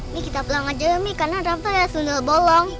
ini kita pulang aja ya mi karena rafa ya sundel bolong